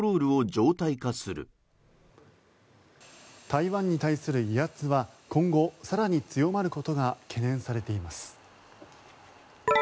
台湾に対する威圧は今後更に強まることが懸念されています。